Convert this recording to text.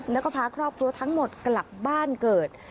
แล้วก็พาครอบครัวทั้งหมดกลับบ้านเกิด